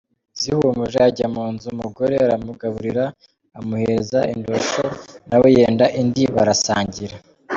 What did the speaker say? Zihumuje ajya mu nzu, umugore aramugaburira; amuhereza indosho na we yenda indi barasangira.